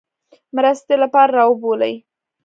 مرستې لپاره را وبولي.